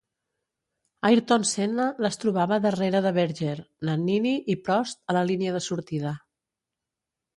Ayrton Senna les trobava darrere de Berger, Nannini i Prost a la línia de sortida.